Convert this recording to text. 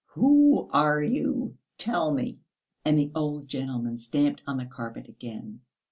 Who are you? Tell me!" And the old gentleman stamped on the carpet again.